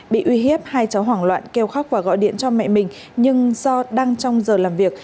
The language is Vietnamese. bị uy hiếp hai cháu hoảng loạn kêu khóc và gọi điện cho mẹ mình nhưng do đang trong giờ làm việc